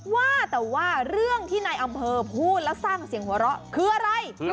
ว่าแต่ว่าเรื่องที่นายอำเภอพูดแล้วสร้างเสียงหัวเราะคืออะไร